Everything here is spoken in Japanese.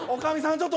ちょっと。